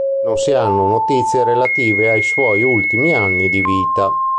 Non si hanno notizie relative ai suoi ultimi anni di vita.